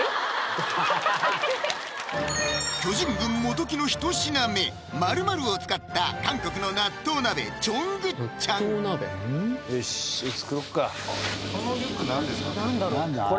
巨人軍・元木のひと品目〇〇を使った韓国の納豆鍋・チョングッチャンよし作ろっかこれ？